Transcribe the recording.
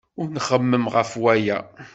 Ur nxemmem ɣef waya.